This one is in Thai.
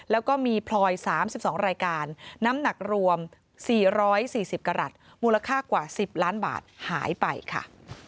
แล้วก็มีพลอย๓๒รายการน้ำหนักรวม๔๔๐กรัฐมูลค่ากว่า๑๐ล้านบาทหายไปค่ะ